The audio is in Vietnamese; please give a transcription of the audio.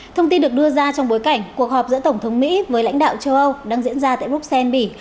thông tin được đưa ra trong bối cảnh cuộc họp giữa tổng thống mỹ với lãnh đạo châu âu đang diễn ra tại bruxelles bỉ